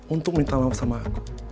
untuk minta maaf sama aku